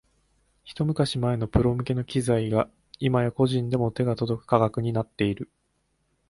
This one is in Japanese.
ひと昔前のプロ向けの機材が今や個人でも手が届く価格になっている